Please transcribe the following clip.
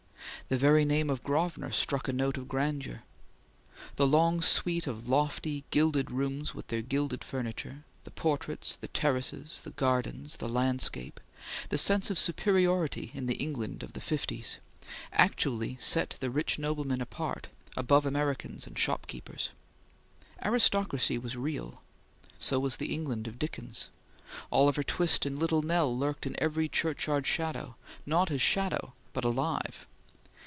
The very name of Grosvenor struck a note of grandeur. The long suite of lofty, gilded rooms with their gilded furniture; the portraits; the terraces; the gardens, the landscape; the sense of superiority in the England of the fifties, actually set the rich nobleman apart, above Americans and shopkeepers. Aristocracy was real. So was the England of Dickens. Oliver Twist and Little Nell lurked in every churchyard shadow, not as shadow but alive.